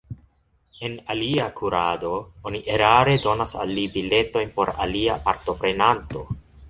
En alia kurado, oni erare donas al li biletojn por alia partoprenanto.